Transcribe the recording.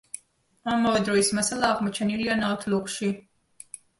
ამავე დროის მასალა აღმოჩენილია ნავთლუღში.